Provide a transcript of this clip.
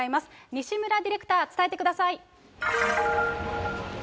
西村ディレクター、伝えてくださ